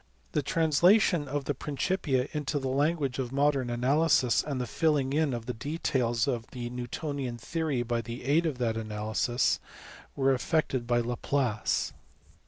The translation of the Principia into the language of modern analysis and the filling in of the details of the Newtonian theory by the aid of that analysis were effected by Laplace.